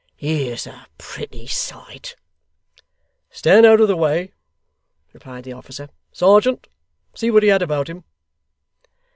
'Here's a pretty sight!' 'Stand out of the way,' replied the officer. 'Serjeant! see what he had about him.